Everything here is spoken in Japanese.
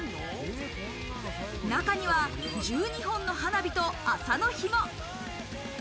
中には１２本の花火と麻の紐。